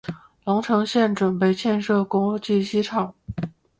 隆城县准备建设隆城国际机场。